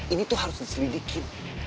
ini tuh harus diselidikin